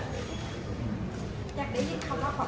ขอบคุณค่ะ